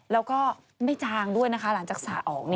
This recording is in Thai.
แล้วก็ไม่จางด้วยนะคะหลังจากสระออก